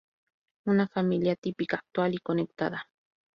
Una familia atípica, actual y "conectada".